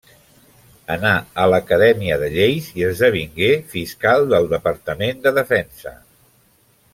Anà a l'acadèmia de lleis i esdevingué fiscal del Departament de Defensa.